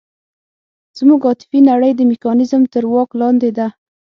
زموږ عاطفي نړۍ د میکانیزم تر واک لاندې ده.